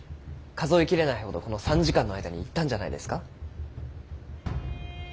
数え切れないほどこの３時間の間に言ったんじゃないですか？